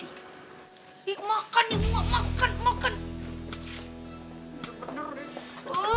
ih makan nih gue makan makan